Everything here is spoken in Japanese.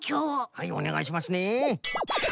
はいおねがいしますね。